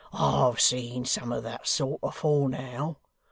I've seen some of that sort, afore now.